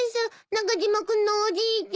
中島君のおじいちゃん。